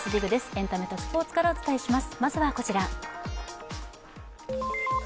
エンタメとスポーツからお伝えします。